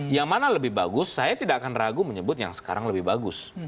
yang mana lebih bagus saya tidak akan ragu menyebut yang sekarang lebih bagus